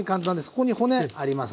ここに骨ありますね。